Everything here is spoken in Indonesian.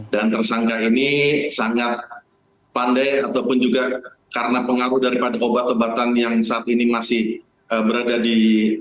dan tersangka ini sangat pandai ataupun juga karena pengaku daripada obat obatan yang saat ini masih berada di